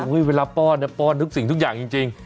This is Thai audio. อุ้ยเวลาป้อนเนี่ยป้อนทุกสิ่งทุกอย่างจริง